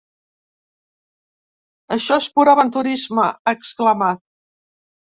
Això és pur aventurisme, ha exclamat.